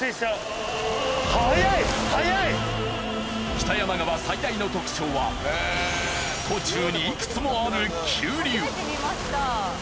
北山川最大の特徴は途中にいくつもある急流。